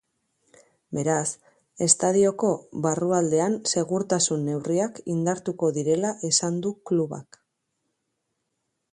Beraz, estadioko barrualdean segurtasun neurriak indartuko direla esan du klubak.